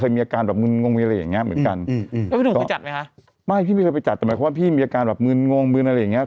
มึนงงอะไรอย่างนี้